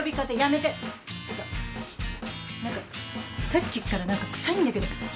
さっきから何か臭いんだけど。